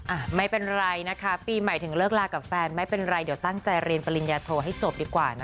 อ่ะไม่เป็นไรนะคะปีใหม่ถึงเลิกลากับแฟนไม่เป็นไรเดี๋ยวตั้งใจเรียนปริญญาโทให้จบดีกว่านะคะ